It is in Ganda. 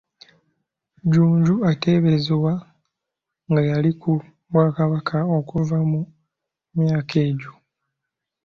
Jjunju ateeberezebwa nga yali ku bwakabaka okuva mu myaka egyo.